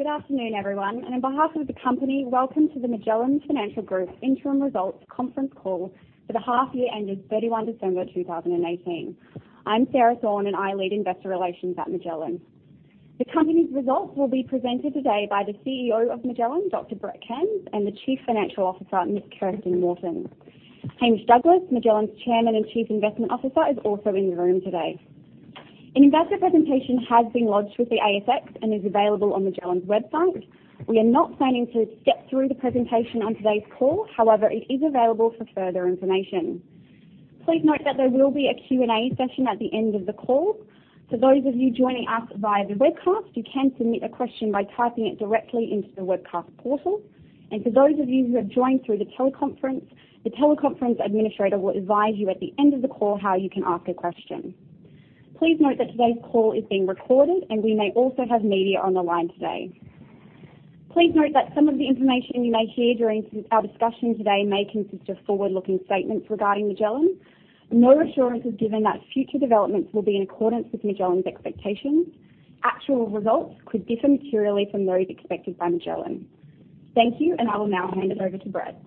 Good afternoon, everyone, on behalf of the company, welcome to the Magellan Financial Group Interim Results Conference Call for the half year ended 31 December 2018. I am Sarah Thorne, and I lead Investor Relations at Magellan. The company's results will be presented today by the CEO of Magellan, Dr. Brett Cairns, and the Chief Financial Officer, Ms. Kirsten Morton. Hamish Douglass, Magellan's Chairman and Chief Investment Officer, is also in the room today. An investor presentation has been lodged with the ASX and is available on Magellan's website. We are not planning to step through the presentation on today's call. However, it is available for further information. Please note that there will be a Q&A session at the end of the call. For those of you joining us via the webcast, you can submit a question by typing it directly into the webcast portal. For those of you who have joined through the teleconference, the teleconference administrator will advise you at the end of the call how you can ask a question. Please note that today's call is being recorded, and we may also have media on the line today. Please note that some of the information you may hear during our discussion today may consist of forward-looking statements regarding Magellan. No assurance is given that future developments will be in accordance with Magellan's expectations. Actual results could differ materially from those expected by Magellan. Thank you. I will now hand it over to Brett.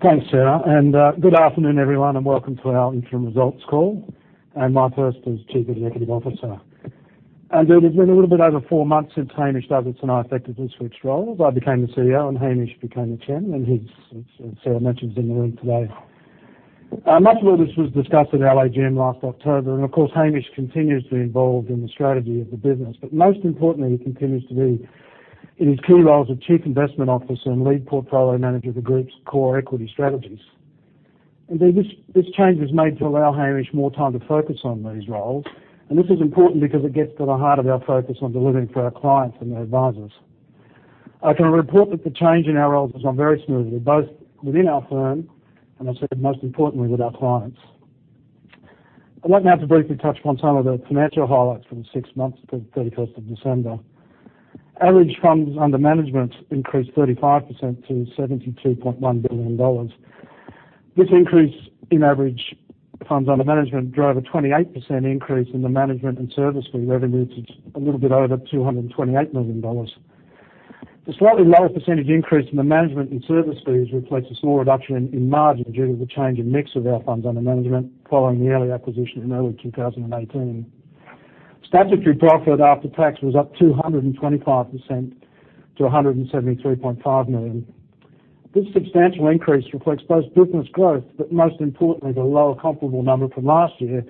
Thanks, Sarah, good afternoon, everyone, and welcome to our Interim Results Call, my first as Chief Executive Officer. It has been a little bit over four months since Hamish Douglass and I effectively switched roles. I became the CEO, and Hamish became the Chairman, and he, as Sarah mentioned, is in the room today. Much of this was discussed at our AGM last October. Of course, Hamish continues to be involved in the strategy of the business. Most importantly, he continues to be in his key roles of Chief Investment Officer and Lead Portfolio Manager for group's core equity strategies. This change was made to allow Hamish more time to focus on these roles, and this is important because it gets to the heart of our focus on delivering for our clients and their advisors. I can report that the change in our roles has gone very smoothly, both within our firm and, I said, most importantly, with our clients. I would like now to briefly touch on some of the financial highlights for the six months to 31st of December. Average funds under management increased 35% to 72.1 billion dollars. This increase in average funds under management drove a 28% increase in the management and service fee revenue to a little bit over 228 million dollars. The slightly lower percentage increase in the management and service fees reflects a small reduction in margin due to the change in mix of our funds under management following the early acquisition in early 2018. Statutory profit after tax was up 225% to 173.5 million. This substantial increase reflects both business growth, but most importantly, the lower comparable number from last year,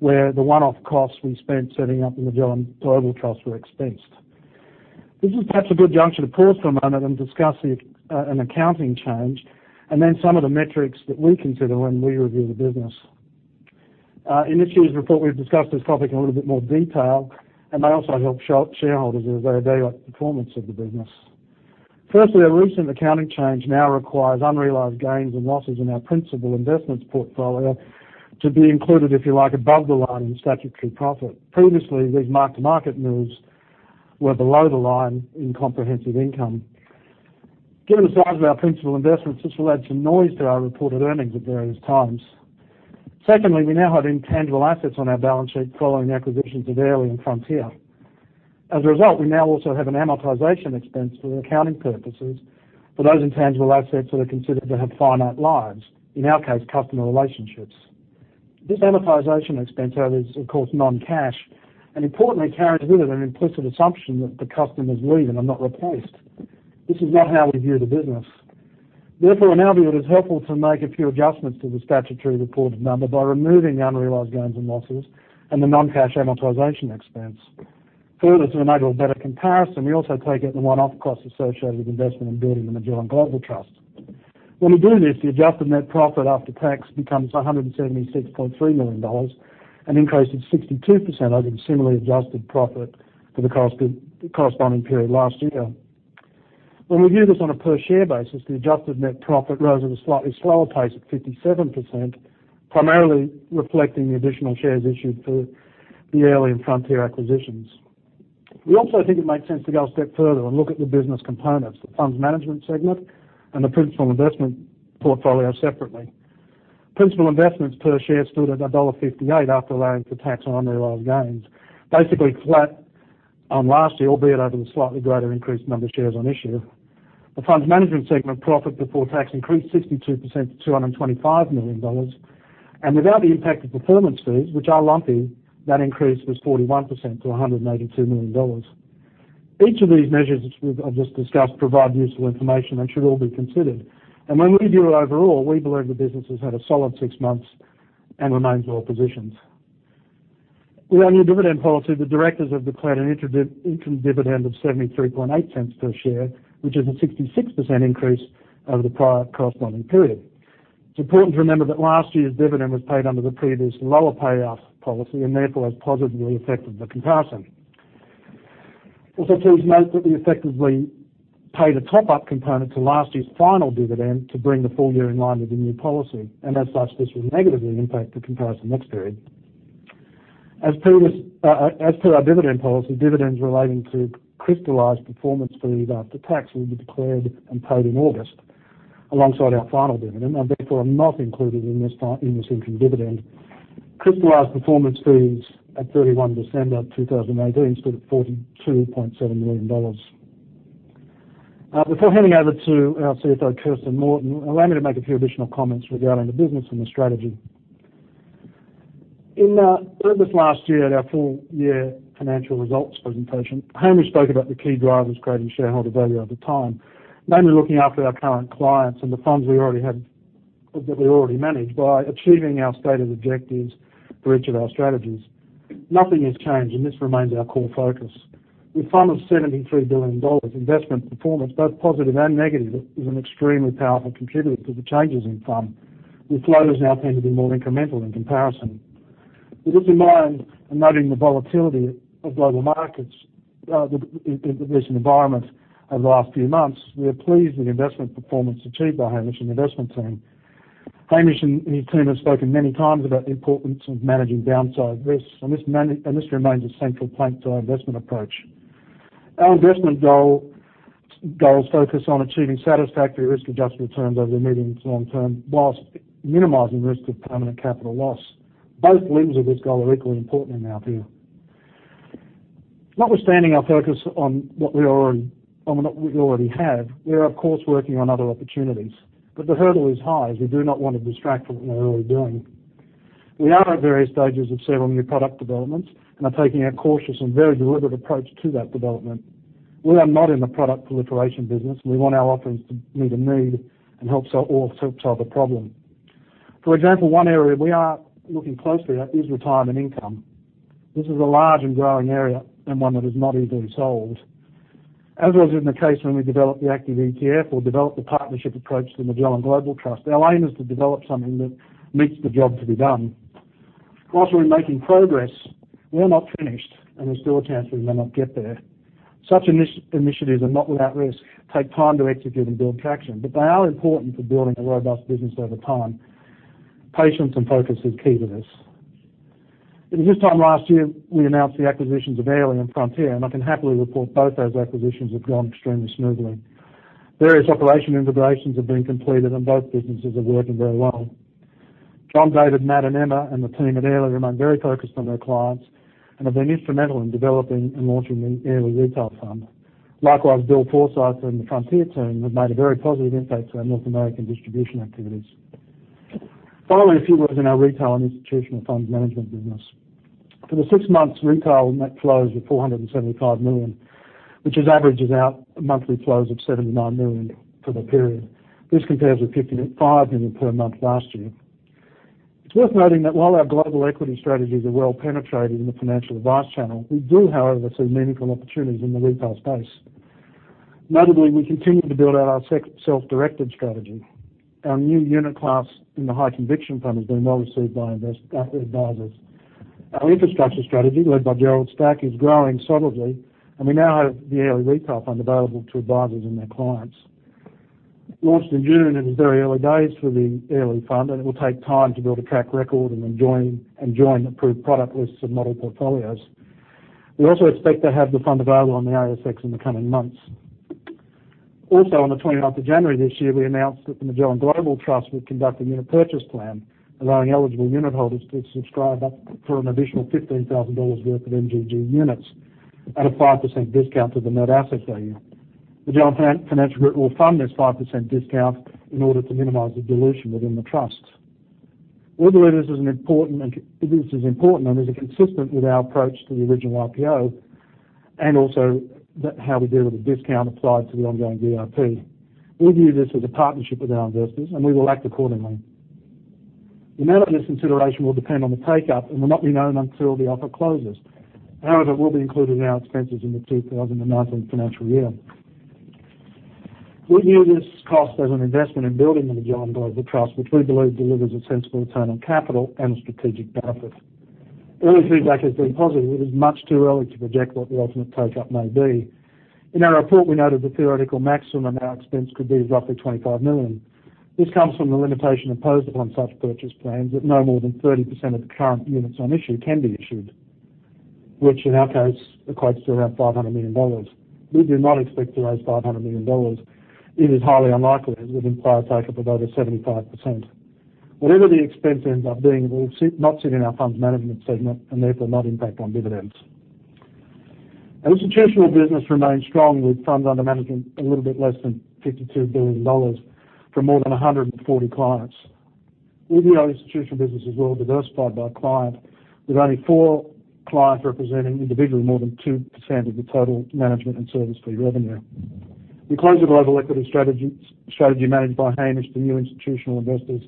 where the one-off costs we spent setting up the Magellan Global Trust were expensed. This is perhaps a good juncture to pause for a moment and discuss an accounting change, and then some of the metrics that we consider when we review the business. In this year's report, we've discussed this topic in a little bit more detail, and they also help shareholders as they evaluate the performance of the business. Firstly, a recent accounting change now requires unrealized gains and losses in our principal investments portfolio to be included, if you like, above the line in statutory profit. Previously, these market-to-market moves were below the line in comprehensive income. Given the size of our principal investments, this will add some noise to our reported earnings at various times. Secondly, we now have intangible assets on our balance sheet following the acquisitions of Airlie and Frontier. As a result, we now also have an amortization expense for accounting purposes for those intangible assets that are considered to have finite lives, in our case, customer relationships. This amortization expense, however, is of course non-cash, and importantly, carries with it an implicit assumption that the customers leave and are not replaced. This is not how we view the business. Therefore, in our view, it is helpful to make a few adjustments to the statutory reported number by removing the unrealized gains and losses and the non-cash amortization expense. Further, to enable a better comparison, we also take out the one-off costs associated with investment in building the Magellan Global Trust. When we do this, the adjusted net profit after tax becomes 176.3 million dollars, an increase of 62% over the similarly adjusted profit for the corresponding period last year. When we view this on a per share basis, the adjusted net profit rose at a slightly slower pace at 57%, primarily reflecting the additional shares issued for the Airlie and Frontier acquisitions. We also think it makes sense to go a step further and look at the business components, the funds management segment and the principal investment portfolio separately. Principal investments per share stood at dollar 1.58 after allowing for tax on unrealized gains. Basically flat on last year, albeit over the slightly greater increased number of shares on issue. The funds management segment profit before tax increased 62% to 225 million dollars. Without the impact of performance fees, which are lumpy, that increase was 41% to 182 million dollars. Each of these measures, which I've just discussed, provide useful information and should all be considered. When we view it overall, we believe the business has had a solid six months and remains well-positioned. With our new dividend policy, the directors have declared an interim dividend of 0.738 per share, which is a 66% increase over the prior corresponding period. It's important to remember that last year's dividend was paid under the previous lower payoff policy and therefore has positively affected the comparison. Also please note that we effectively paid a top-up component to last year's final dividend to bring the full year in line with the new policy. As such, this will negatively impact the comparison next period. As per our dividend policy, dividends relating to crystallized performance fees after tax will be declared and paid in August. Alongside our final dividend and therefore not included in this interim dividend, crystallized performance fees at 31 December 2018 stood at 42.7 million dollars. Before handing over to our CFO, Kirsten Morton, allow me to make a few additional comments regarding the business and the strategy. Earlier this last year at our full year financial results presentation, Hamish spoke about the key drivers creating shareholder value at the time, mainly looking after our current clients and the funds that we already manage by achieving our stated objectives for each of our strategies. Nothing has changed, and this remains our core focus. With funds 73 billion dollars, investment performance, both positive and negative, is an extremely powerful contributor to the changes in fund, with flows now tending to be more incremental in comparison. With this in mind and noting the volatility of global markets in this environment over the last few months, we are pleased with the investment performance achieved by Hamish and the investment team. Hamish and his team have spoken many times about the importance of managing downside risks, and this remains a central plank to our investment approach. Our investment goals focus on achieving satisfactory risk-adjusted returns over medium to long term, whilst minimizing risk of permanent capital loss. Both limbs of this goal are equally important in our view. Notwithstanding our focus on what we already have, we are of course working on other opportunities, the hurdle is high as we do not want to distract from what we're already doing. We are at various stages of several new product developments and are taking a cautious and very deliberate approach to that development. We are not in the product proliferation business, and we want our offerings to meet a need and help solve a problem. For example, one area we are looking closely at is retirement income. This is a large and growing area and one that is not easily solved. As was in the case when we developed the Active ETF or developed the partnership approach to Magellan Global Trust, our aim is to develop something that meets the job to be done. Whilst we're making progress, we're not finished, there's still a chance we may not get there. Such initiatives are not without risk, take time to execute and build traction, they are important for building a robust business over time. Patience and focus is key to this. It was this time last year, we announced the acquisitions of Airlie and Frontier, I can happily report both those acquisitions have gone extremely smoothly. Various operation integrations have been completed, and both businesses are working very well. John, David, Matt, and Emma, and the team at Airlie remain very focused on their clients and have been instrumental in developing and launching the Airlie Australian Share Fund. Likewise, Bill Forsyth and the Frontier team have made a very positive impact to our North American distribution activities. Finally, a few words on our retail and institutional funds management business. For the six months, retail net flows were 475 million, which averages out monthly flows of 79 million for the period. This compares with 55 million per month last year. It is worth noting that while our global equity strategies are well penetrated in the financial advice channel, we do, however, see meaningful opportunities in the retail space. Notably, we continue to build out our self-directed strategy. Our new unit class in the Magellan High Conviction Trust has been well received by advisors. Our infrastructure strategy, led by Gerald Stack, is growing solidly, and we now have the Airlie retail fund available to advisors and their clients. Launched in June, it is very early days for the Airlie fund, and it will take time to build a track record and join approved product lists and model portfolios. We also expect to have the fund available on the ASX in the coming months. On the 29th of January this year, we announced that the Magellan Global Trust would conduct a Unit Purchase Plan, allowing eligible unitholders to subscribe up for an additional 15,000 dollars worth of MGG units at a 5% discount to the net asset value. Magellan Financial Group will fund this 5% discount in order to minimize the dilution within the trust. We believe this is important and is consistent with our approach to the original IPO and also how we deal with the discount applied to the ongoing DRP. We view this as a partnership with our investors, and we will act accordingly. The amount of this consideration will depend on the take-up and will not be known until the offer closes. It will be included in our expenses in the 2019 financial year. We view this cost as an investment in building the Magellan Global Trust, which we believe delivers a sensible return on capital and strategic benefit. Early feedback has been positive, it is much too early to project what the ultimate take-up may be. In our report, we noted the theoretical maximum our expense could be roughly 25 million. This comes from the limitation imposed upon such purchase plans that no more than 30% of the current units on issue can be issued, which in our case equates to around 500 million dollars. We do not expect to raise 500 million dollars. It is highly unlikely it would require a take-up of over 75%. Whatever the expense ends up being, it will not sit in our funds management segment and therefore not impact on dividends. Our institutional business remains strong with funds under management a little bit less than 52 billion dollars for more than 140 clients. With our institutional businesses well diversified by client, with only four clients representing individually more than 2% of the total management and service fee revenue. We closed the global equity strategy managed by Hamish to new institutional investors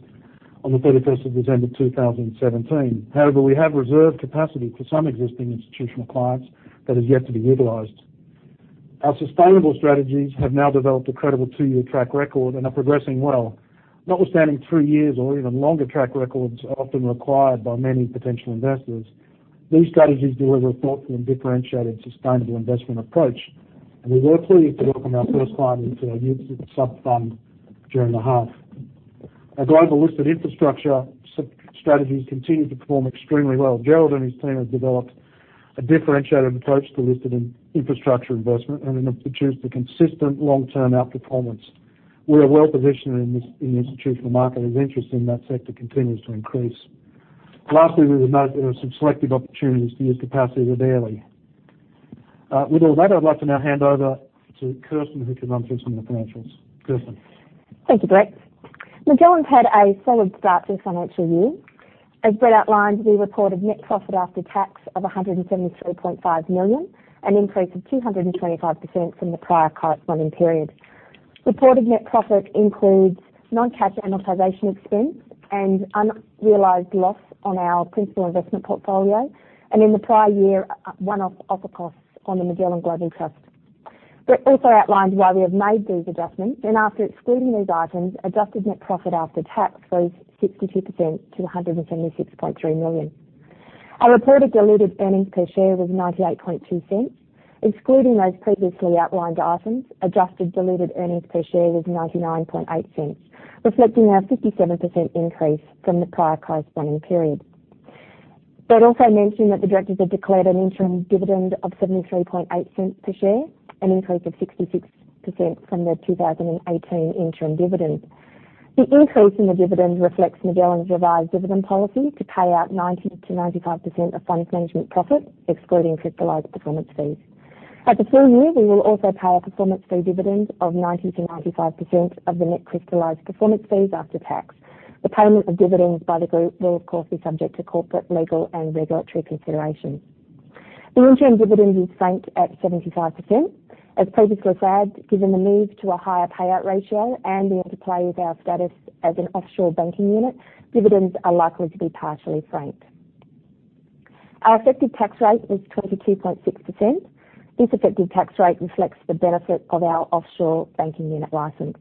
on the 31st of December 2017. We have reserved capacity for some existing institutional clients that is yet to be utilized. Our sustainable strategies have now developed a credible 2-year track record and are progressing well. Notwithstanding three years or even longer track records are often required by many potential investors, these strategies deliver a thoughtful and differentiated sustainable investment approach. We were pleased to welcome our first client into our new sub-fund during the half. Our global listed infrastructure strategies continue to perform extremely well. Gerald and his team have developed a differentiated approach to listed infrastructure investment and have produced a consistent long-term outperformance. We are well-positioned in the institutional market as interest in that sector continues to increase. Lastly, we would note there are some selective opportunities to use capacity readily. With all that, I'd like to now hand over to Kirsten, who can run through some of the financials. Kirsten. Thank you, Brett. Magellan's had a solid start to the financial year. As Brett outlined, we reported net profit after tax of 173.5 million, an increase of 225% from the prior corresponding period. Reported net profit includes non-cash amortization expense and unrealized loss on our principal investment portfolio, and in the prior year, one-off offer costs on the Magellan Global Trust. Brett also outlined why we have made these adjustments, and after excluding these items, adjusted net profit after tax rose 62% to 176.3 million. Our reported diluted earnings per share was 0.982. Excluding those previously outlined items, adjusted diluted earnings per share was 0.998, reflecting our 57% increase from the prior corresponding period. Brett also mentioned that the directors have declared an interim dividend of 0.738 per share, an increase of 66% from the 2018 interim dividend. The increase in the dividend reflects Magellan's revised dividend policy to pay out 90%-95% of funds management profit, excluding crystallized performance fees. At the full year, we will also pay a performance fee dividend of 90%-95% of the net crystallized performance fees after tax. The payment of dividends by the group will of course be subject to corporate, legal, and regulatory considerations. The interim dividend is franked at 75%. As previously advised, given the move to a higher payout ratio and the interplay with our status as an offshore banking unit, dividends are likely to be partially franked. Our effective tax rate was 22.6%. This effective tax rate reflects the benefit of our offshore banking unit license.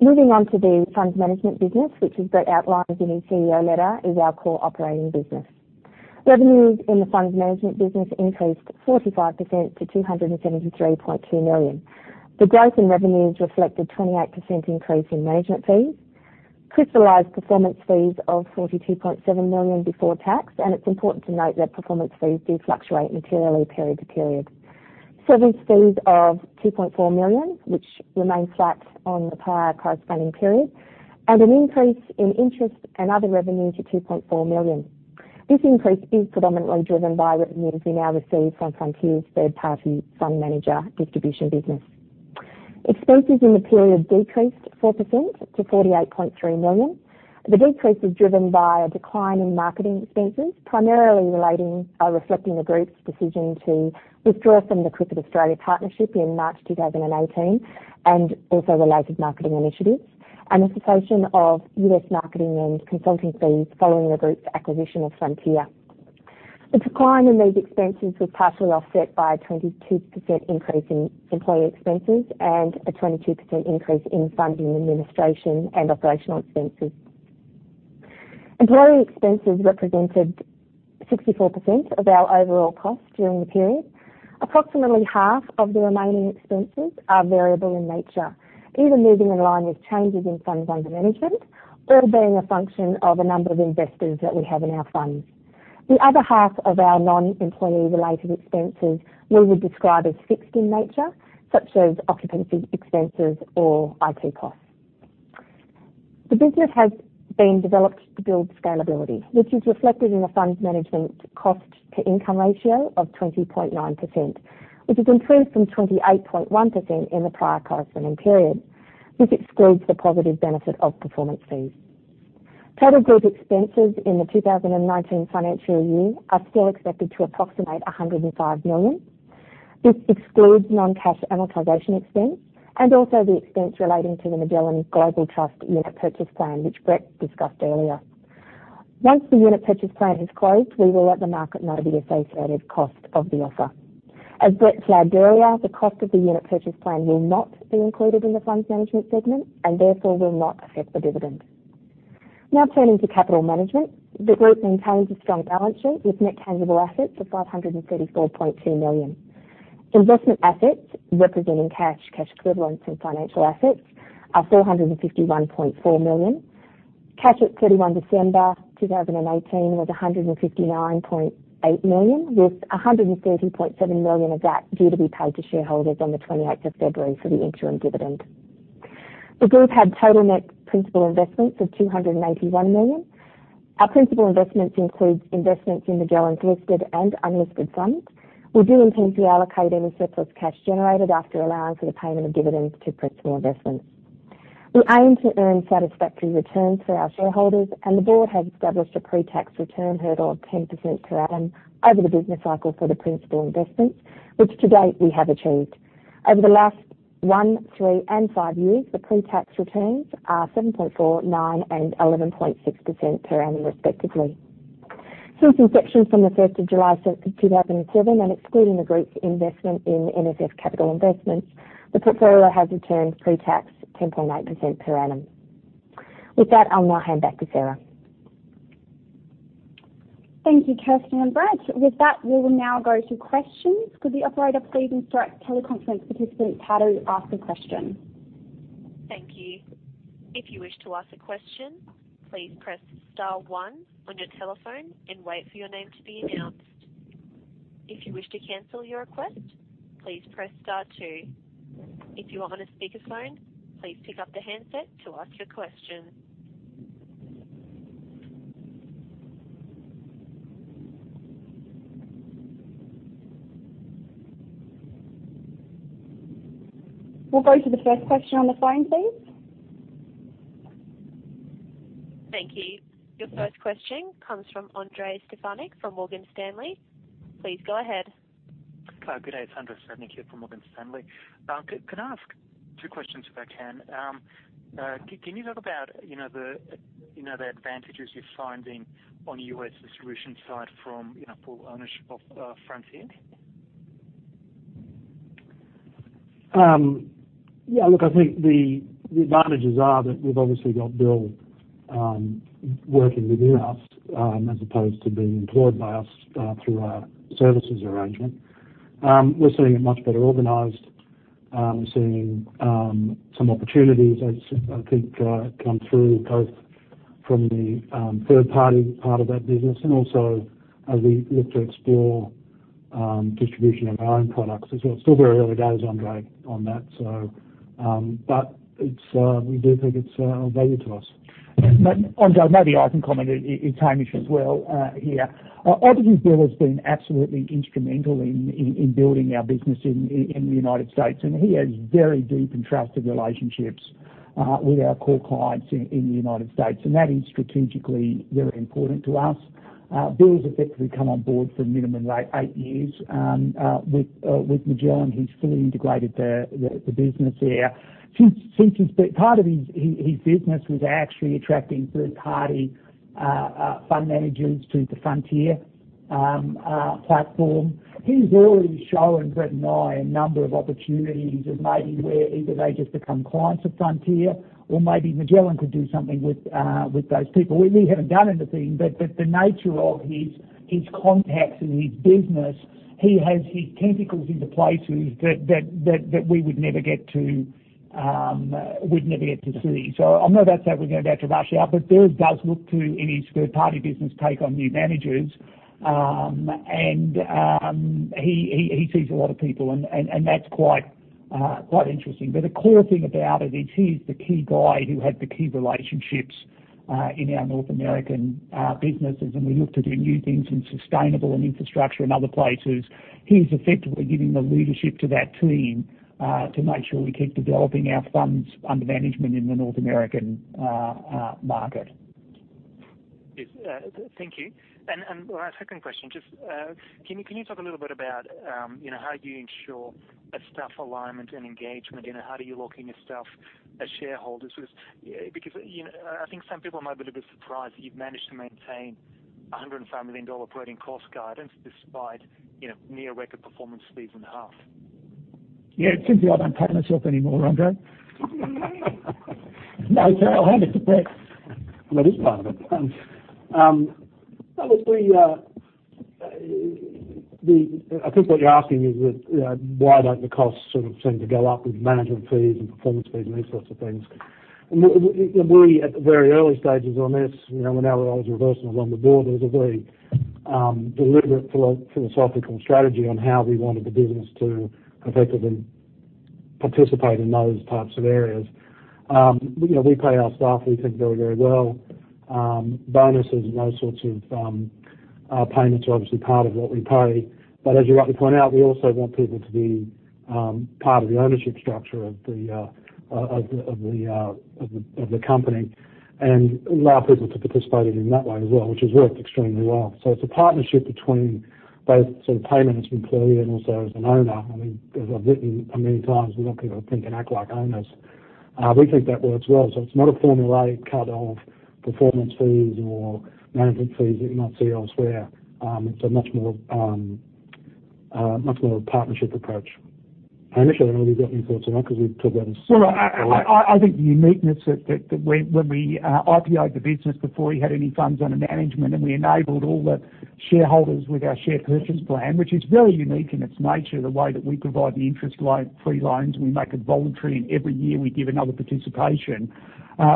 Moving on to the funds management business, which as Brett outlined in his CEO letter, is our core operating business. Revenues in the funds management business increased 45% to 273.2 million. The growth in revenues reflected 28% increase in management fees, crystallized performance fees of 42.7 million before tax, and it's important to note that performance fees do fluctuate materially period to period. Service fees of 2.4 million, which remain flat on the prior corresponding period, and an increase in interest and other revenue to 2.4 million. This increase is predominantly driven by revenues we now receive from Frontier's third-party fund manager distribution business. Expenses in the period decreased 4% to 48.3 million. The decrease is driven by a decline in marketing expenses, primarily reflecting the group's decision to withdraw from the Cricket Australia partnership in March 2018 and also related marketing initiatives and the cessation of U.S. marketing and consulting fees following the group's acquisition of Frontier. The decline in these expenses was partially offset by a 22% increase in employee expenses and a 22% increase in funding, administration, and operational expenses. Employee expenses represented 64% of our overall costs during the period. Approximately half of the remaining expenses are variable in nature, either moving in line with changes in funds under management or being a function of a number of investors that we have in our funds. The other half of our non-employee-related expenses we would describe as fixed in nature, such as occupancy expenses or IT costs. The business has been developed to build scalability, which is reflected in the fund's management cost-to-income ratio of 20.9%, which has improved from 28.1% in the prior corresponding period. This excludes the positive benefit of performance fees. Total group expenses in the 2019 financial year are still expected to approximate 105 million. This excludes non-cash amortization expense and also the expense relating to the Magellan Global Trust Unit Purchase Plan, which Brett discussed earlier. Once the Unit Purchase Plan has closed, we will let the market know the associated cost of the offer. As Brett flagged earlier, the cost of the Unit Purchase Plan will not be included in the funds management segment and therefore will not affect the dividend. Now turning to capital management. The group maintains a strong balance sheet with net tangible assets of 534.2 million. Investment assets representing cash equivalents, and financial assets are 451.4 million. Cash at 31 December 2018 was 159.8 million, with 130.7 million of that due to be paid to shareholders on the 28th of February for the interim dividend. The group had total net principal investments of 281 million. Our principal investments includes investments in Magellan's listed and unlisted funds. We do intend to allocate any surplus cash generated after allowing for the payment of dividends to principal investments. We aim to earn satisfactory returns for our shareholders, and the board has established a pre-tax return hurdle of 10% per annum over the business cycle for the principal investments, which to date we have achieved. Over the last one, three, and five years, the pre-tax returns are 7.4%, 9%, and 11.6% per annum respectively. Since inception from the 1st of July, 2007, and excluding the group's investment in MFF Capital Investments, the portfolio has returned pre-tax 10.8% per annum. With that, I'll now hand back to Sarah. Thank you, Kirsten and Brett. With that, we will now go to questions. Could the operator please instruct teleconference participants how to ask a question? Thank you. If you wish to ask a question, please press star one on your telephone and wait for your name to be announced. If you wish to cancel your request, please press star two. If you are on a speakerphone, please pick up the handset to ask your question. We'll go to the first question on the phone, please. Thank you. Your first question comes from Andrei Stadnik from Morgan Stanley. Please go ahead. Hello, good day. It's Andrei Stadnik here from Morgan Stanley. Can I ask two questions if I can? Can you talk about the advantages you're finding on the U.S. distribution side from full ownership of Frontier? I think the advantages are that we've obviously got Bill working within us, as opposed to being employed by us through our services arrangement. We're seeing it much better organized. We're seeing some opportunities as I think come through, both from the third-party part of that business and also as we look to explore distribution of our own products as well. It's still very early days, Andrei, on that. We do think it's of value to us. Andrei, maybe I can comment. It's Hamish as well here. Obviously, Bill has been absolutely instrumental in building our business in the U.S., and he has very deep and trusted relationships with our core clients in the U.S. That is strategically very important to us. Bill has effectively come on board for a minimum of eight years. With Magellan, he's fully integrated the business there. Part of his business was actually attracting third-party fund managers to the Frontier platform. He's already shown Brett and I a number of opportunities as maybe where either they just become clients of Frontier or maybe Magellan could do something with those people. We haven't done anything, the nature of his contacts and his business, he has his tentacles into places that we'd never get to see. I'm not about to say we're going out to rush out, Bill does look to, in his third-party business, take on new managers. He sees a lot of people, and that's quite interesting. The core thing about it is he's the key guy who had the key relationships in our North American businesses. We look to do new things in sustainable and infrastructure and other places. He's effectively giving the leadership to that team to make sure we keep developing our funds under management in the North American market. Thank you. Second question, just can you talk a little bit about how do you ensure staff alignment and engagement? How do you lock in your staff as shareholders? Because I think some people might be a bit surprised that you've managed to maintain 105 million dollar operating cost guidance despite near record performance fees in half. Yeah. It's simply I don't pay myself anymore, Andrei. No, I'll hand it to Brett. Well, that is part of it. Obviously, I think what you're asking is that why don't the costs sort of seem to go up with management fees and performance fees and these sorts of things? We, at the very early stages on this, when Alan was reversing along the board, there was a very deliberate philosophical strategy on how we wanted the business to effectively participate in those types of areas. We pay our staff, we think very, very well. Bonuses and those sorts of payments are obviously part of what we pay. As you rightly point out, we also want people to be part of the ownership structure of the company and allow people to participate in that way as well, which has worked extremely well. It's a partnership between both sort of payment as an employee and also as an owner. I mean, as I've written many times, we want people to think and act like owners. We think that works well. It's not a formulaic cut of performance fees or management fees that you might see elsewhere. It's a much more partnership approach. Hamish, I don't know if you've got any thoughts on that because we've talked about this. Well, I think the uniqueness that when we IPO'd the business before we had any funds under management, and we enabled all the shareholders with our share purchase plan, which is very unique in its nature, the way that we provide the interest-free loans, and we make it voluntary, and every year we give another participation.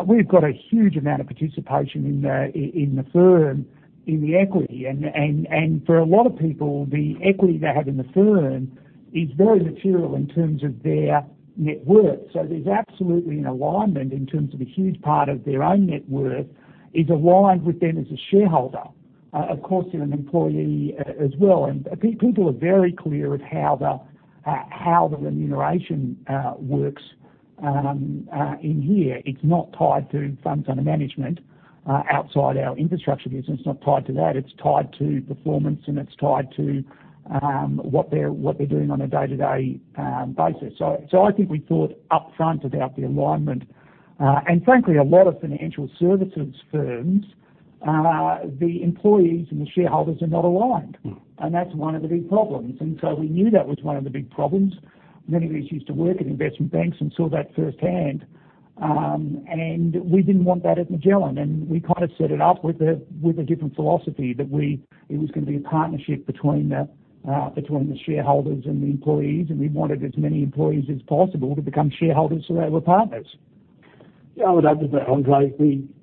We've got a huge amount of participation in the firm in the equity. For a lot of people, the equity they have in the firm is very material in terms of their net worth. There's absolutely an alignment in terms of a huge part of their own net worth is aligned with them as a shareholder. Of course, they're an employee as well. People are very clear of how the remuneration works in here. It's not tied to funds under management outside our infrastructure business. It's not tied to that. It's tied to performance, and it's tied to what they're doing on a day-to-day basis. I think we thought upfront about the alignment. Frankly, a lot of financial services firms, the employees and the shareholders are not aligned. That's one of the big problems. We knew that was one of the big problems. Many of us used to work in investment banks and saw that firsthand. We didn't want that at Magellan, and we set it up with a different philosophy, that it was going to be a partnership between the shareholders and the employees, and we wanted as many employees as possible to become shareholders so they were partners. Look, Andrei,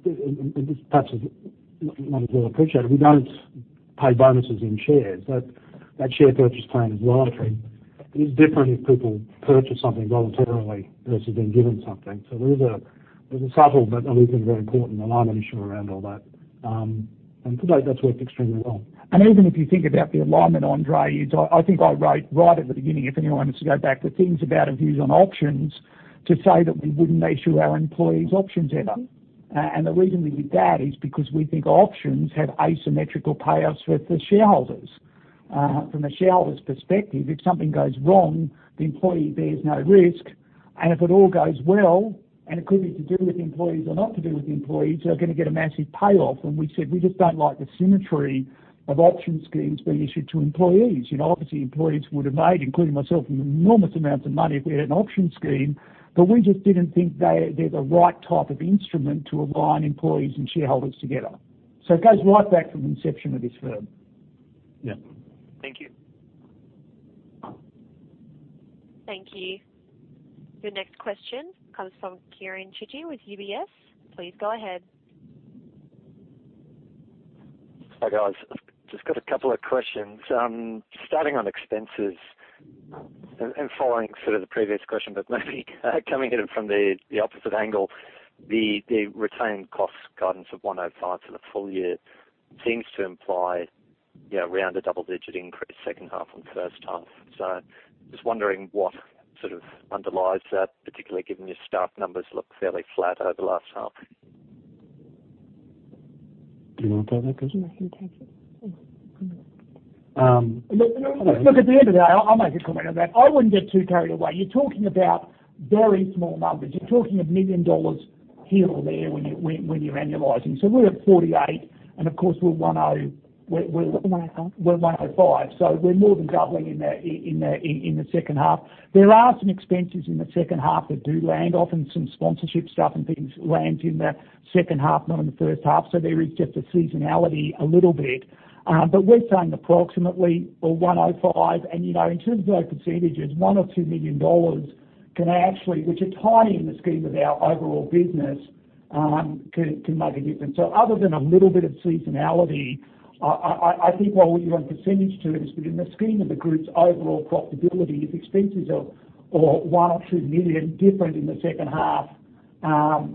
this perhaps is not as well appreciated. We don't pay bonuses in shares. That share purchase plan is voluntary. It is different if people purchase something voluntarily versus being given something. There is a subtle but at least a very important alignment issue around all that. To date, that's worked extremely well. Even if you think about the alignment, Andrei, I think I wrote right at the beginning, if anyone wants to go back, the things about our views on options, to say that we wouldn't issue our employees options ever. The reason we did that is because we think options have asymmetrical payoffs with the shareholders. From a shareholder's perspective, if something goes wrong, the employee bears no risk. If it all goes well, and it could be to do with the employees or not to do with the employees, they're going to get a massive payoff. We said we just don't like the symmetry of option schemes being issued to employees. Obviously, employees would have made, including myself, enormous amounts of money if we had an option scheme, but we just didn't think they're the right type of instrument to align employees and shareholders together. It goes right back to the inception of this firm. Thank you. Thank you. Your next question comes from Kieren Chidgey with UBS. Please go ahead. Hi, guys. Just got a couple of questions. Starting on expenses and following the previous question, but maybe coming at it from the opposite angle. The retained cost guidance of 105 million for the full year seems to imply around a double-digit increase second half on first half. Just wondering what underlies that, particularly given your staff numbers look fairly flat over the last half. Do you want to take that, Kirs? You want me to take it? Yeah. Look, at the end of the day, I'll make a comment on that. I wouldn't get too carried away. You're talking about very small numbers. You're talking an 1 million dollars here or there when you're annualizing. We're at 48 million, and of course. We're 105. We're more than doubling in the second half. There are some expenses in the second half that do land. Often some sponsorship stuff and things land in the second half, not in the first half. There is just a seasonality a little bit. We're saying approximately or 105, and in terms of those percentage terms, 1 million or 2 million dollars can actually, which are tiny in the scheme of our overall business, can make a difference. Other than a little bit of seasonality, I think what we give on percentage terms, but in the scheme of the group's overall profitability, if expenses of 1 million or 2 million different in the second half,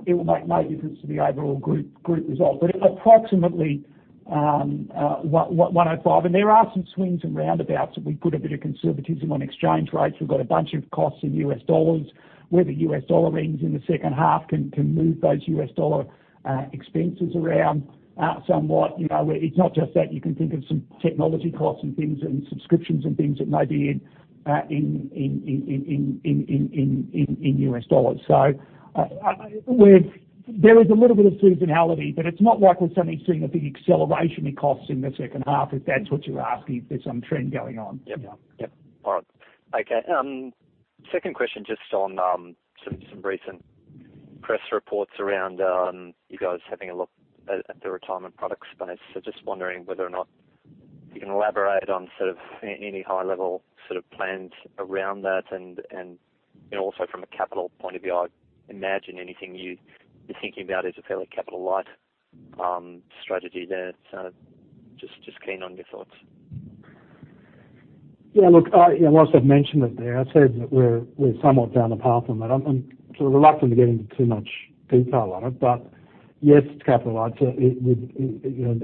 it will make no difference to the overall group result. Approximately, 105. There are some swings and roundabouts that we put a bit of conservatism on exchange rates. We've got a bunch of costs in U.S. dollars, where the U.S. dollar ends in the second half can move those U.S. dollar expenses around somewhat. It's not just that. You can think of some technology costs and things and subscriptions and things that may be in U.S. dollars. There is a little bit of seasonality, but it's not like we're suddenly seeing a big acceleration in costs in the second half, if that's what you're asking, if there's some trend going on. Yep. All right. Okay. Second question, just on some recent press reports around you guys having a look at the retirement products space. Just wondering whether or not you can elaborate on any high-level plans around that and also from a capital point of view, I imagine anything you'd be thinking about is a fairly capital light strategy there. Just keen on your thoughts. Yeah, look, whilst I've mentioned it there, I said that we're somewhat down the path on that. I'm reluctant to get into too much detail on it. Yes, it's capital light. Obviously, in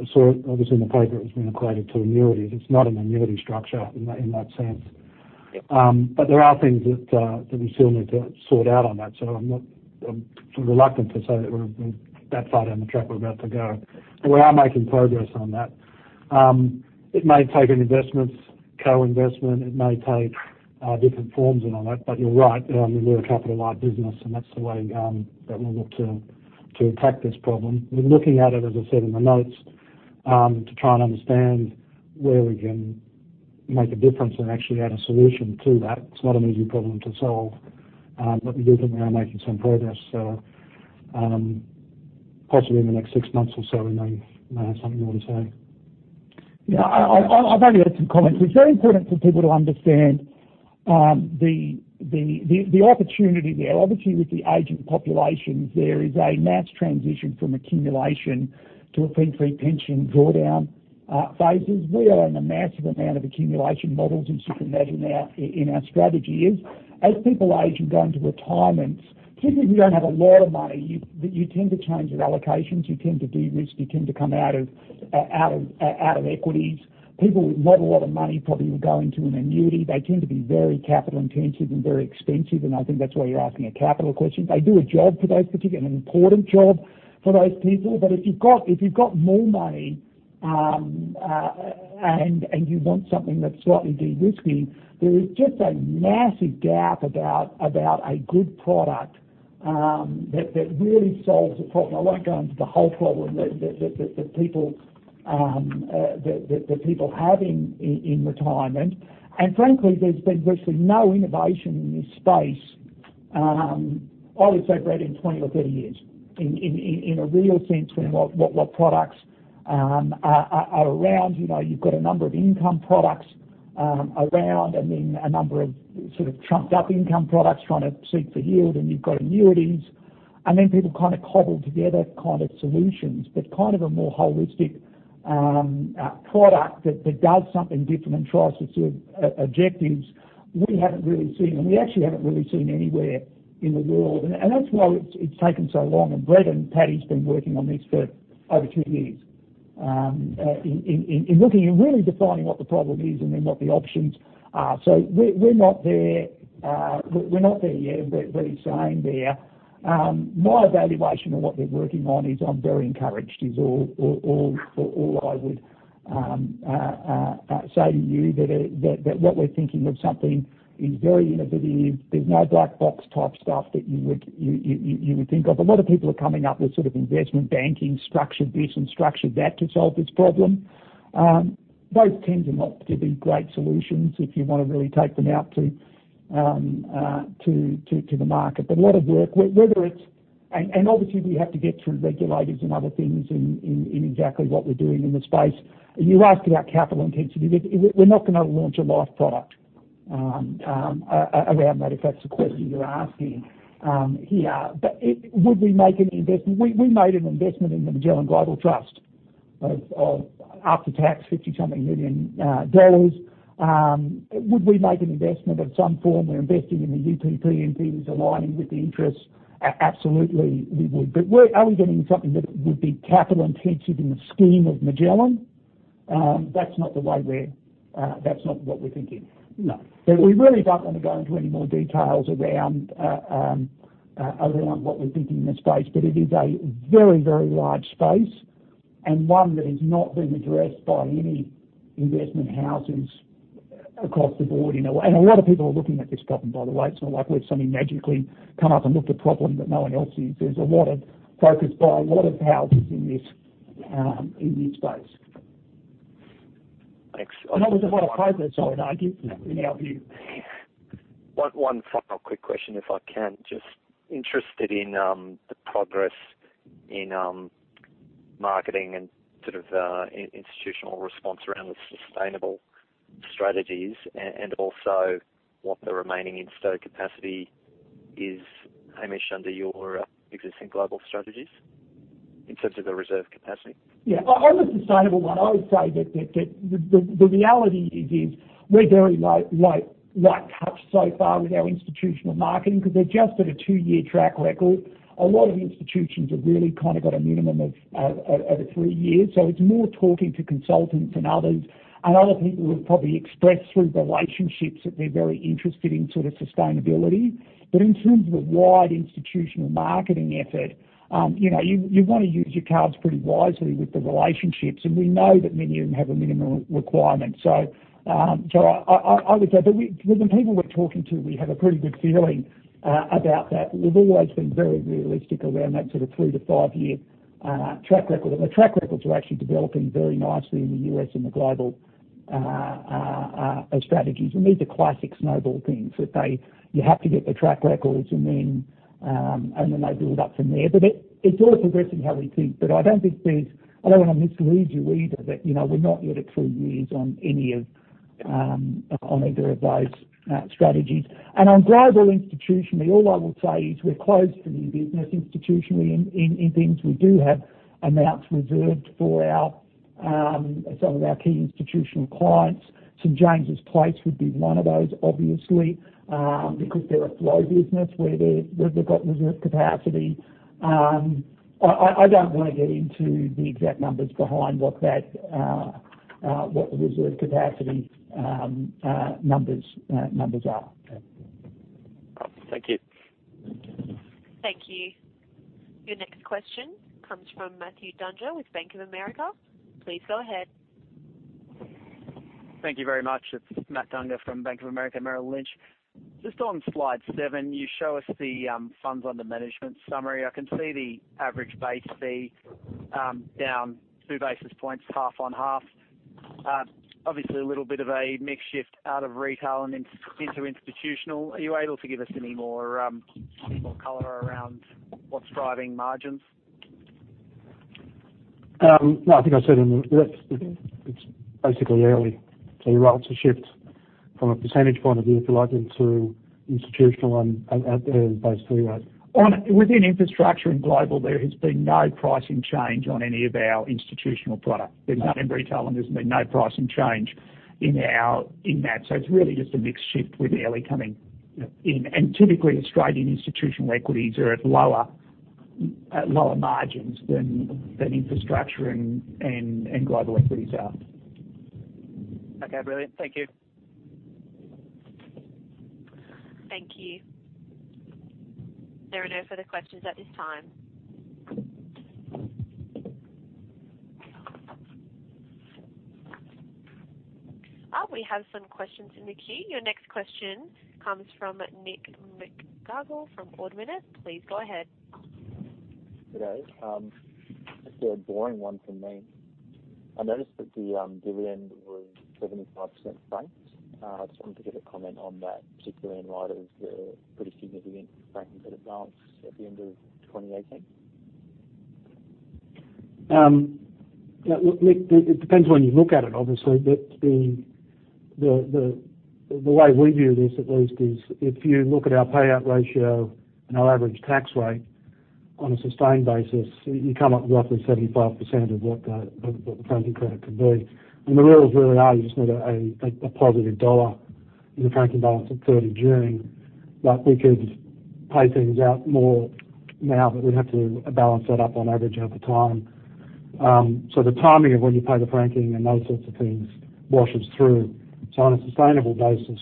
the paper, it was being equated to annuities. It's not an annuity structure in that sense. There are things that we still need to sort out on that. I'm reluctant to say that we're that far down the track we're about to go. We are making progress on that. It may take an investments, co-investment, it may take different forms and all that, but you're right. We're a capital light business, and that's the way that we'll look to attack this problem. We're looking at it, as I said in the notes, to try and understand where we can make a difference and actually add a solution to that. It's not an easy problem to solve. We definitely are making some progress, so possibly in the next 6 months or so, we may have something more to say. Yeah. I've only got some comments. It's very important for people to understand the opportunity there. Obviously, with the aging populations, there is a mass transition from accumulation to a pension drawdown phases. We own a massive amount of accumulation models, and super in our strategy is. As people age and go into retirement, typically, if you don't have a lot of money, you tend to change your allocations. You tend to de-risk. You tend to come out of equities. People with not a lot of money probably will go into an annuity. They tend to be very capital intensive and very expensive, and I think that's why you're asking a capital question. They do a job for those particular, an important job for those people. If you've got more money and you want something that's slightly de-risking, there is just a massive gap about a good product that really solves the problem. I won't go into the whole problem that people have in retirement. Frankly, there's been virtually no innovation in this space, I would say, Brett, in 20 or 30 years, in a real sense, in what products are around. You've got a number of income products around and then a number of trumped-up income products trying to seek for yield, and you've got annuities. Then people kind of cobble together solutions, but a more holistic product that does something different and tries to serve objectives, we haven't really seen, and we actually haven't really seen anywhere in the world. That's why it's taken so long. Brett and Patty's been working on this for over two years, in looking and really defining what the problem is and then what the options are. We're not there yet, but he's saying there. My evaluation of what they're working on is, I'm very encouraged, is all I would say to you. What we're thinking of something is very innovative. There's no black box type stuff that you would think of. A lot of people are coming up with investment banking, structure this and structure that to solve this problem. Those tend to not to be great solutions if you want to really take them out to the market. A lot of work, and obviously we have to get through regulators and other things in exactly what we're doing in the space. You asked about capital intensity. We're not going to launch a life product around that, if that's the question you're asking here. Would we make an investment? We made an investment in the Magellan Global Trust of after-tax, 50 something million. Would we make an investment of some form? We're investing in the UPP in things aligning with the interests. Absolutely, we would. Are we getting something that would be capital-intensive in the scheme of Magellan? That's not what we're thinking. No. We really don't want to go into any more details around what we're thinking in the space. It is a very large space and one that has not been addressed by any investment houses across the board. A lot of people are looking at this problem, by the way. It's not like we've suddenly magically come up and looked a problem that no one else is. There's a lot of focus by a lot of houses in this space. Thanks. There's a lot of progress on it, I can tell you. One final quick question, if I can. Just interested in the progress in marketing and institutional response around the sustainable strategies and also what the remaining in-store capacity is, Hamish, under your existing global strategies, in terms of the reserve capacity? Yeah. On the sustainable one, I would say that the reality is we're very light touch so far with our institutional marketing because they're just at a two-year track record. A lot of institutions have really got a minimum of three years. It's more talking to consultants and others. Other people have probably expressed through relationships that they're very interested in sustainability. In terms of a wide institutional marketing effort, you want to use your cards pretty wisely with the relationships, and we know that many of them have a minimum requirement. I would say, but with the people we're talking to, we have a pretty good feeling about that. We've always been very realistic around that three to five-year track record. The track records are actually developing very nicely in the U.S. and the global strategies. These are classic snowball things, that you have to get the track records and then they build up from there. It's all progressing how we think. I don't want to mislead you either, that we're not yet at two years on either of those strategies. On global institutionally, all I will say is we're closed for new business institutionally in things. We do have amounts reserved for some of our key institutional clients. St. James's Place would be one of those, obviously, because they're a flow business where they've got reserve capacity. I don't want to get into the exact numbers behind what the reserve capacity numbers are. Thank you. Thank you. Your next question comes from Matthew Dunger with Bank of America. Please go ahead. Thank you very much. It's Matt Dunger from Bank of America Merrill Lynch. Just on slide seven, you show us the funds under management summary. I can see the average base fee down two basis points, half on half. Obviously, a little bit of a mix shift out of retail and into institutional. Are you able to give us any more color around what's driving margins? No, I think I said in the. It's basically Airlie. You're right, it's a shift from a percentage point of view, if you like, into institutional and base fee rate. Within infrastructure and global, there has been no pricing change on any of our institutional product. There's none in retail, and there's been no pricing change in that. It's really just a mix shift with Airlie coming in. Typically, Australian institutional equities are at lower margins than infrastructure and global equities are. Okay, brilliant. Thank you. Thank you. There are no further questions at this time. We have some questions in the queue. Your next question comes from Nick McGarrigle from Ord Minnett. Please go ahead. Good day. Just a boring one from me. I noticed that the dividend was 75% franked. I just wanted to get a comment on that, particularly in light of the pretty significant franking that advanced at the end of 2018. Look, Nick, it depends when you look at it, obviously, but the way we view this at least is if you look at our payout ratio and our average tax rate on a sustained basis, you come up with roughly 75% of what the franking credit could be. The rules really are, you just need a positive dollar in the franking balance at 30 June that we could pay things out more now, but we'd have to balance that up on average over time. The timing of when you pay the franking and those sorts of things washes through. On a sustainable basis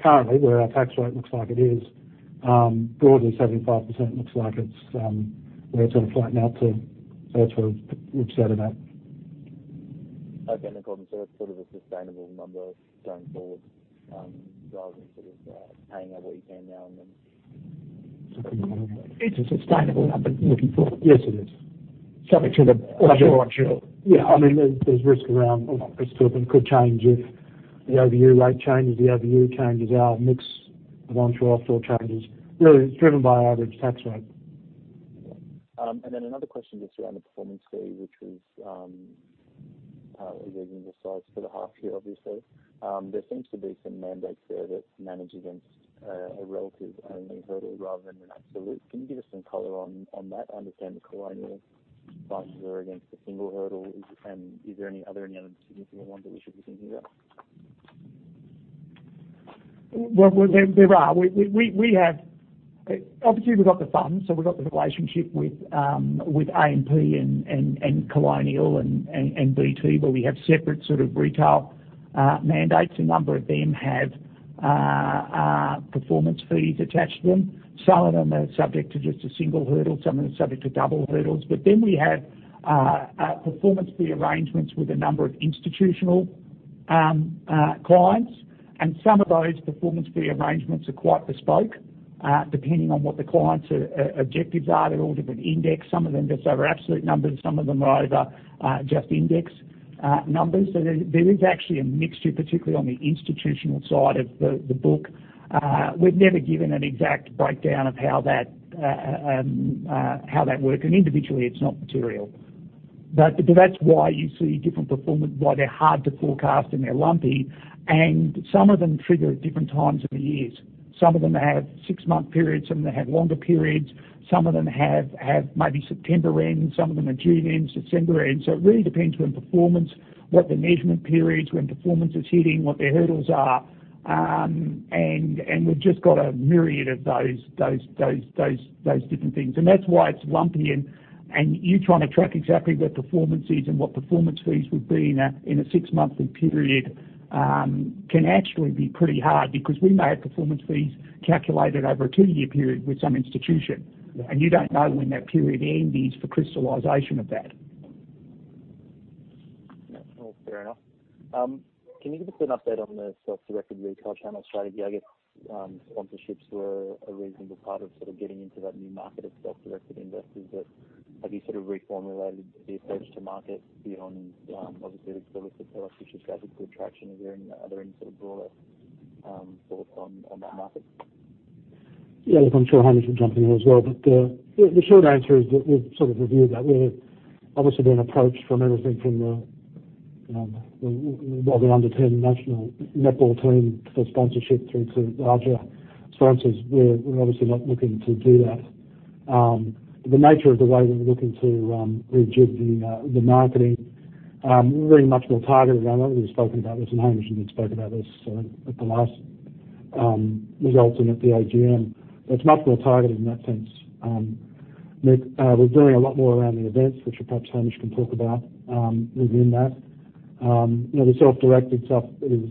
currently where our tax rate looks like it is, broadly 75% looks like it's where it's going to flatten out to. That's where we've set it at. Okay. No problem. It's sort of a sustainable number going forward, rather than sort of paying out what you can now and then. It's a sustainable number looking forward. Yes, it is. Sure. There's risk around Well, not risk, but it could change if the OBU rate changes, the OBU changes, our mix of on to offshore changes. It's driven by average tax rate. Another question just around the performance fee, which was a reasonable size for the half year, obviously. There seems to be some mandates there that manage against a relative only hurdle rather than an absolute. Can you give us some color on that? I understand the Colonial funds are against a single hurdle. Is there any other significant ones that we should be thinking about? Well, there are. Obviously, we've got the funds, we've got the relationship with AMP and Colonial and BT, where we have separate retail mandates. A number of them have performance fees attached to them. Some of them are subject to just a single hurdle, some of them are subject to double hurdles. We have performance fee arrangements with a number of institutional clients, some of those performance fee arrangements are quite bespoke, depending on what the client's objectives are. They're all different index. Some of them are just over absolute numbers, some of them are over just index numbers. There is actually a mixture, particularly on the institutional side of the book. We've never given an exact breakdown of how that works, and individually it's not material. That's why you see different performance, why they're hard to forecast and they're lumpy, and some of them trigger at different times of the years. Some of them have six-month periods, some of them have longer periods. Some of them have maybe September end, some of them are June end, September end. It really depends when performance, what the measurement periods, when performance is hitting, what their hurdles are. We've just got a myriad of those different things. That's why it's lumpy and you trying to track exactly where performance is and what performance fees would be in a six-monthly period, can actually be pretty hard because we may have performance fees calculated over a two-year period with some institution, and you don't know when that period end is for crystallization of that. Yeah. No, fair enough. Can you give us an update on the self-directed retail channel strategy? I get sponsorships were a reasonable part of sort of getting into that new market of self-directed investors, have you sort of reformulated the approach to market beyond obviously the listed ETF strategy attraction? Are there any sort of broader thoughts on that market? Yeah, look, I'm sure Hamish will jump in here as well, the short answer is that we've sort of reviewed that. We're obviously being approached from everything from the rather under ten national netball team for sponsorship through to larger sponsors. We're obviously not looking to do that. The nature of the way that we're looking to rejig the marketing, we're very much more targeted. I know we've spoken about this, Hamish even spoke about this at the last results and at the AGM. It's much more targeted in that sense. Nick, we're doing a lot more around the events which perhaps Hamish can talk about within that. The self-directed stuff is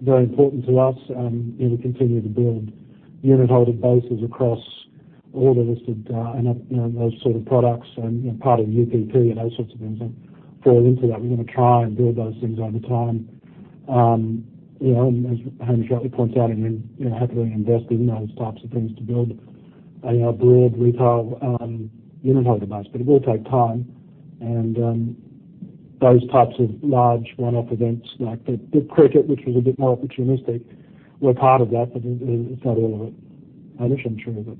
very important to us, we continue to build unitholder bases across all the listed and those sort of products and part of UPT and those sorts of things fall into that. We're going to try and build those things over time. As Hamish rightly points out and happily invest in those types of things to build a broad retail unitholder base. It will take time and those types of large one-off events like the cricket which was a bit more opportunistic, were part of that, it's not all of it. Hamish, I'm sure that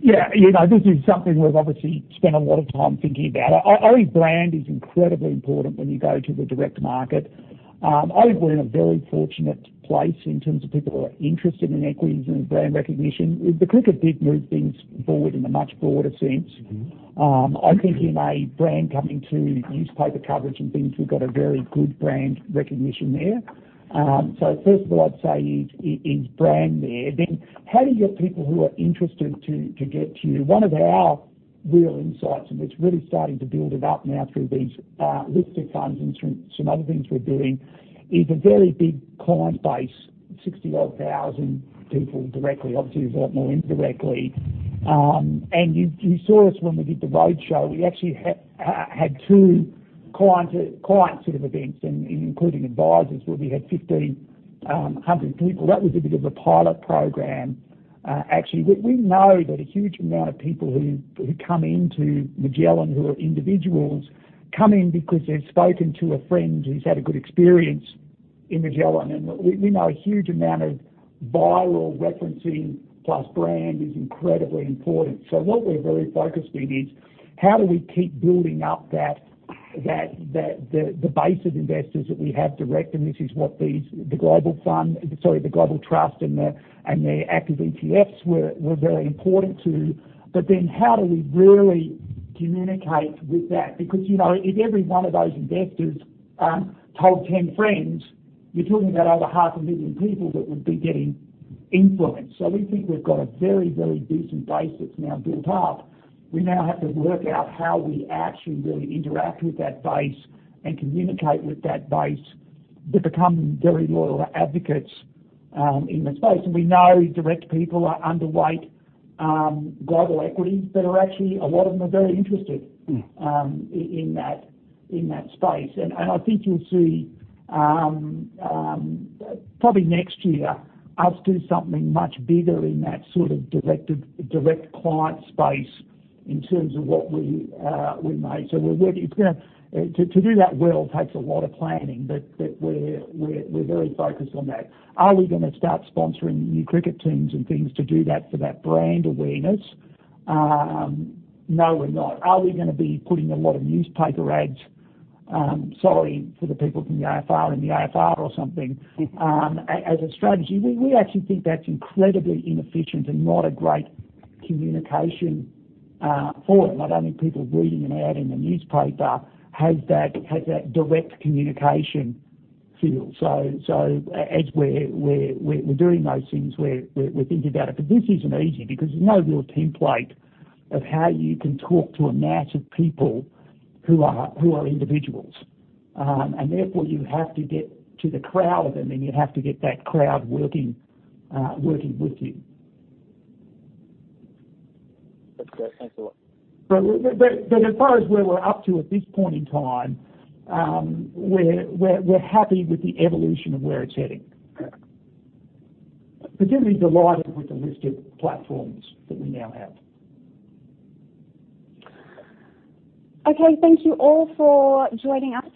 Yeah. This is something we've obviously spent a lot of time thinking about. I think brand is incredibly important when you go to the direct market. I think we're in a very fortunate place in terms of people who are interested in equities and brand recognition. The cricket did move things forward in a much broader sense. I think in a brand coming to newspaper coverage and things, we've got a very good brand recognition there. First of all I'd say is brand there. How do you get people who are interested to get to you? One of our real insights, and it's really starting to build it up now through these listed funds and through some other things we're doing, is a very big client base 60 odd thousand people directly, obviously a lot more indirectly. You saw us when we did the roadshow, we actually had two client events and including advisors where we had 1,500 people. That was a bit of a pilot program. Actually, we know that a huge amount of people who come into Magellan, who are individuals, come in because they've spoken to a friend who's had a good experience in Magellan, and we know a huge amount of viral referencing plus brand is incredibly important. What we're very focused in is how do we keep building up the base of investors that we have direct, and this is what the Global Trust and the Active ETFs were very important to. How do we really communicate with that? Because, if every one of those investors told 10 friends, you're talking about over half a million people that would be getting influenced. We think we've got a very decent base that's now built up. We now have to work out how we actually really interact with that base and communicate with that base to become very loyal advocates in the space. We know direct people are underweight global equities, but are actually, a lot of them are very interested in that space. I think you'll see, probably next year, us do something much bigger in that sort of direct client space in terms of what we may. To do that well takes a lot of planning, but we're very focused on that. Are we going to start sponsoring new cricket teams and things to do that for that brand awareness? No, we're not. Are we going to be putting a lot of newspaper ads, sorry for the people from the AFR, in the AFR or something as a strategy? We actually think that's incredibly inefficient and not a great communication forum. I don't think people reading an ad in the newspaper has that direct communication feel. As we're doing those things, we're thinking about it. This isn't easy because there's no real template of how you can talk to a mass of people who are individuals. Therefore, you have to get to the crowd of them, and you have to get that crowd working with you. That's great. Thanks a lot. As far as where we're up to at this point in time, we're happy with the evolution of where it's heading. Particularly delighted with the list of platforms that we now have. Okay. Thank you all for joining us.